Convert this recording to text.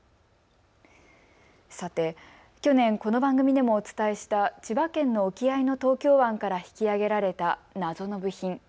さて去年この番組でもお伝えした千葉県の沖合の東京湾から引き上げられた謎の部品。